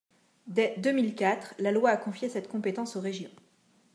Dès deux mille quatre, la loi a confié cette compétence aux régions.